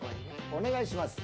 お願いします。